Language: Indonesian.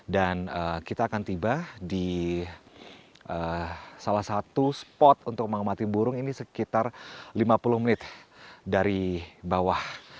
dan kita akan tiba di salah satu spot untuk mengamati burung ini sekitar lima puluh menit dari bawah